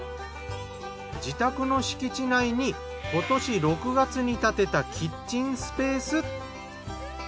自宅の敷地内に今年６月に建てたキッチンスペース。